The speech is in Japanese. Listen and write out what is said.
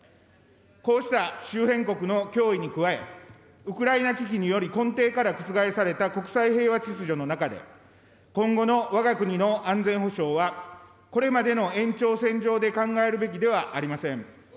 こうした周辺国の脅威に加え、ウクライナ危機により、根底から覆された国際平和秩序の中で、今後のわが国の安全保障は、これまでの延長線上で考えるべきではありません。